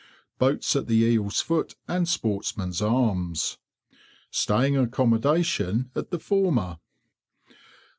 Boats at the "Eel's Foot" and "Sportsman's Arms." Staying accommodation at the former.